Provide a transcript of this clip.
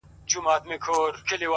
ژوند د انتخابونو لړۍ ده